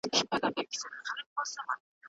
زه کولای شم پیغام واستوم او ترلاسه یې کړم.